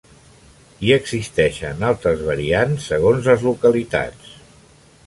Hi existeixen altres variants segons les localitats.